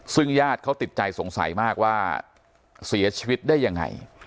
ซึ่งญาติเขาติดใจสงสัยมากว่าเสียชีวิตได้ยังไง